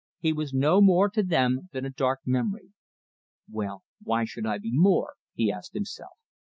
He was no more to them than a dark memory. "Well, why should I be more?" he asked himself.